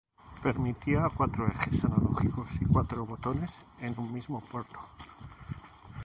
Permitía cuatro ejes analógicos y cuatro botones en un mismo puerto.